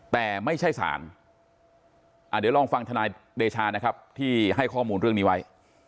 แต่ไม่ใช่ศาลเดี๋ยวลองฟังธนายเดชานะครับที่ให้ข้อมูลเรื่องนี้ไว้